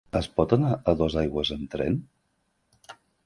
Es pot anar a Dosaigües amb tren?